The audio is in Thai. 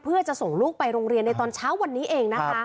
เพื่อจะส่งลูกไปโรงเรียนในตอนเช้าวันนี้เองนะคะ